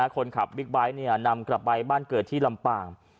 คนขับบิ๊กไบท์นำกลับไปบ้านเกิดที่ลำปาง